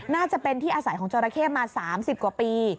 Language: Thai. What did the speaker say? น่าจะเป็นที่อาศัยของจอราเข้มา๓๐กว่าปี